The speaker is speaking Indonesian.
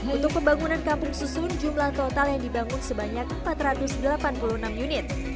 untuk pembangunan kampung susun jumlah total yang dibangun sebanyak empat ratus delapan puluh enam unit